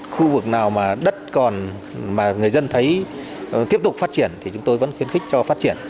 khu vực nào mà đất còn mà người dân thấy tiếp tục phát triển thì chúng tôi vẫn khuyến khích cho phát triển